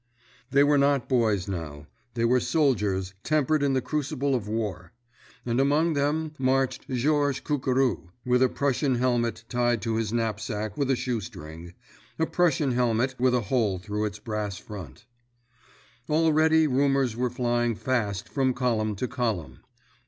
_" They were not boys now, they were soldiers tempered in the crucible of war. And among them marched Georges Cucurou, with a Prussian helmet tied to his knapsack with a shoestring—a Prussian helmet with a hole through its brass front! Already rumors were flying fast from column to column.